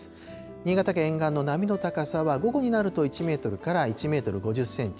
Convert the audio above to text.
新潟県沿岸の波の高さは、午後になると１メートルから１メートル５０センチ。